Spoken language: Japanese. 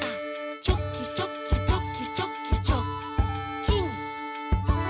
「チョキチョキチョキチョキチョッキン！」